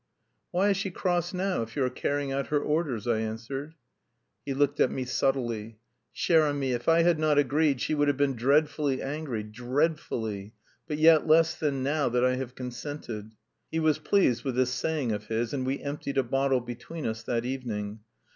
"Why is she cross now if you are carrying out her orders?" I answered. He looked at me subtly. "Cher ami; if I had not agreed she would have been dreadfully angry, dread ful ly! But yet less than now that I have consented." He was pleased with this saying of his, and we emptied a bottle between us that evening.